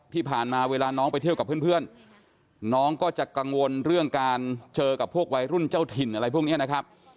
ที่ผ่านมาเวลาน้องไปเที่ยวกับเพื่อนน้องก็จะกังวลเรื่องการเจอกับพวกวัยรุ่นเจ้าถิ่นอะไรพวกนี้นะครับ